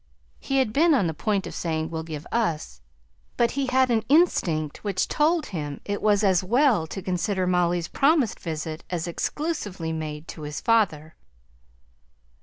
He had been on the point of saying "will give us," but he had an instinct which told him it was as well to consider Molly's promised visit as exclusively made to his father.